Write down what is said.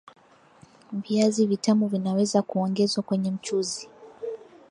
Viazi vitamu vinaweza Kuongezwa kwenye mchuzi